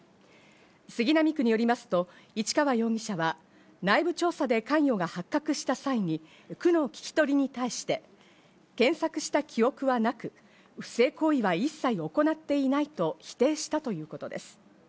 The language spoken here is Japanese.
杉並区によりますと、市川容疑者は内部調査で関与が発覚した際に区の聞き取りに対して、検索した記憶はなく、不正行為は一切行っていないと否定したということです。